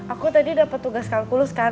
aku tadi dapat tugas kalkulus kan